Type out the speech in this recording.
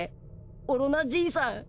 オロナじいさん